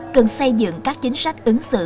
cần xây dựng các chính sách ứng xử